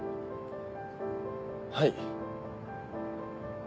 はい。